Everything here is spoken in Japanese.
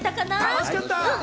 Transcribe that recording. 楽しかった！